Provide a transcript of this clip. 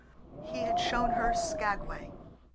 He had shown her Skagway.